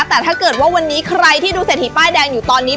แต่ถ้าเกิดว่าวันนี้ใครที่ดูเศรษฐีป้ายแดงอยู่ตอนนี้